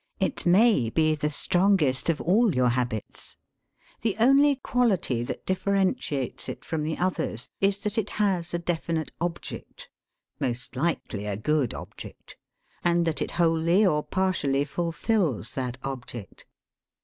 It may be the strongest of all your habits. The only quality that differentiates it from the others is that it has a definite object (most likely a good object), and that it wholly or partially fulfils that object.